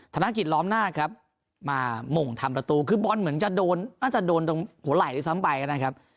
ธนกิจล้อมหน้าครับมาหม่งทำประตูคือบอลเหมือนจะโดนน่าจะโดนตรงหัวไหล่ด้วยซ้ำไปนะครับ